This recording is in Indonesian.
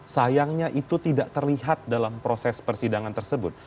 sayangnya itu tidak terlihat dalam proses persidangan tersebut